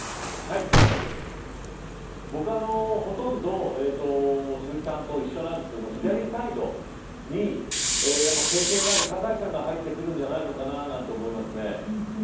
僕は、ほとんど鈴木さんと一緒なんですけど左サイドに経験がある酒井さんが入ってくるんじゃないかと思います。